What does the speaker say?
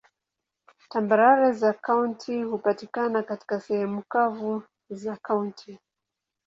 Tambarare za kaunti hupatikana katika sehemu kavu za kaunti.